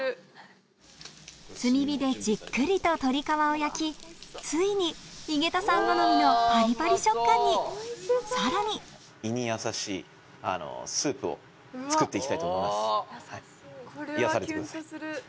炭火でじっくりと鶏皮を焼きついに井桁さん好みのパリパリ食感にさらに作って行きたいと思います。